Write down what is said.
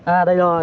à đây rồi